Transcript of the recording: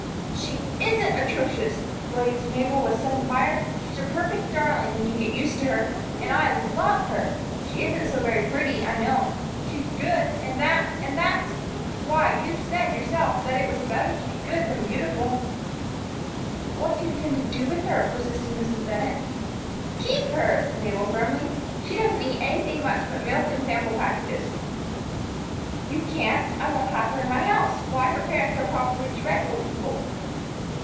"She isn't atrocious!" blazed Mabel, with sudden fire. "She's a perfect darling, when you get used to her, and I love her. She isn't so very pretty, I know, but she's just dear. She's good, and that and that's Why! You've said, yourself, that it was better to be good than beautiful." "But what do you intend to do with her?" persisted Mrs. Bennett. "Keep her," said Mabel, firmly. "She doesn't eat anything much but milk and sample packages." "You can't. I won't have her in my house. Why! Her parents are probably dreadful people."